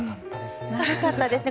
良かったですね。